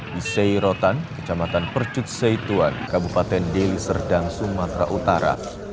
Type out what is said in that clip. di seirotan kecamatan percut seituan kabupaten deli serdang sumatera utara